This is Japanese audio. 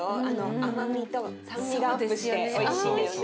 甘みと酸味がアップしておいしいんだよね。